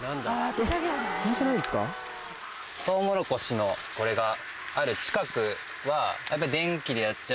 トウモロコシのこれがある近くは。